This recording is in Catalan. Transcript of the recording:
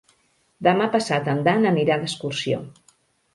Demà passat en Dan anirà d'excursió.